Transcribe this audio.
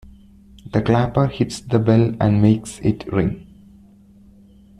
The clapper hits the bell and makes it ring.